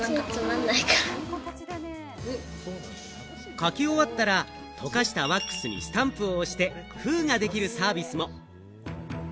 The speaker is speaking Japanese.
書き終わったら、溶かしたワックスにスタンプを押して、封ができるサービスも。